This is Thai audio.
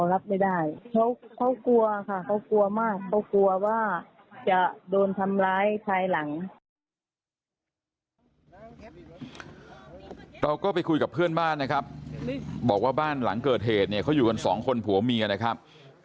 เราก็ไปคุยกับเพื่อนบ้านนะครับบอกว่าบ้านหลังเกิดเหตุเนี่ยเขาอยู่กันสองคนผัวเมียนะครับ